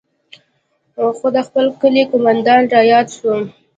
خو د خپل کلي قومندان راياد سو.